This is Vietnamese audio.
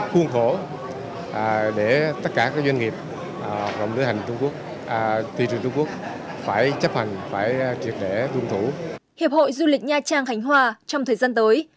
hiệp hội du lịch nha trang khánh hòa trong thời gian tới